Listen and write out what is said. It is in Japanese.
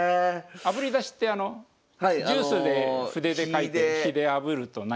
あぶり出しってあのジュースで筆で書いて火であぶると何かが出てくる。